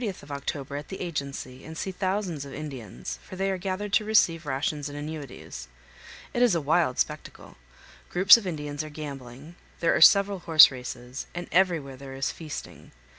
We spend the 30th of October at the agency and see thousands of Indians, for they are gathered to receive rations and annuities. It is a wild spectacle; groups of Indians are gambling, there are several horse races, and everywhere there is feasting.